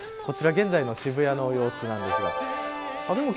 現在の渋谷の様子です。